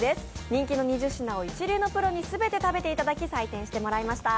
人気の２０品を一流プロに全て食べていただき採点していただきました。